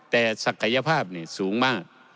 แต่ศักยภาพสูงมาก